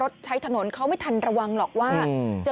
ที่เขาใช้รถใช้ถนนก็ไม่ทันระวังหรอกว่า